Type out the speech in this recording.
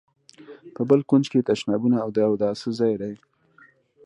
په بل کونج کې یې تشنابونه او د اوداسه ځای دی.